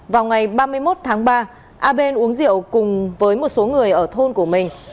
vào ngày ba mươi một tháng ba a bên uống rượu cùng với một số người ở thôn của mình